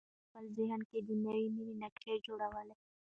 انارګل په خپل ذهن کې د نوې مېنې نقشه جوړوله.